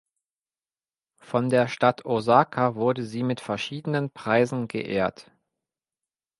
Von der Stadt Osaka wurde sie mit verschiedenen Preisen geehrt.